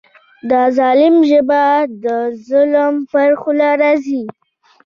د ظالم ژبه د مظلوم پر خوله راځي.